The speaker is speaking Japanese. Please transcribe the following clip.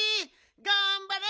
がんばれ！